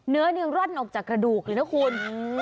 เนื้อนี่ร่อนออกจากกระดูกเลยนะคุณ